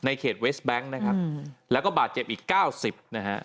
เขตเวสแบงค์นะครับแล้วก็บาดเจ็บอีก๙๐นะฮะ